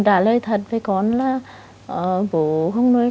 à lĩnh vực họa